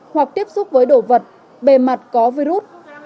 hoặc tiếp xúc với đổ vật bề mặt có virus